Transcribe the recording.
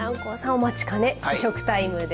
お待ちかね試食タイムです。